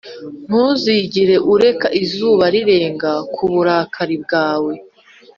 ntuzigere ureka izuba rirenga ku burakari bwawe